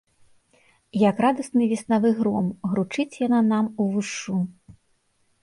Як радасны веснавы гром, гручыць яна нам увушшу.